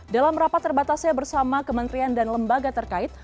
dalam rapat terbatasnya bersama kementerian dan lembaga terkait